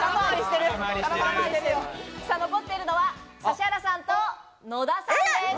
残っているのは指原さんと野田さんです。